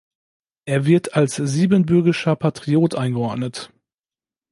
Er wird als siebenbürgischer Patriot eingeordnet.